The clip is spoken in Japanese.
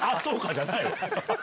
じゃないわ。